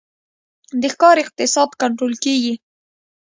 د ښکار اقتصاد کنټرول کیږي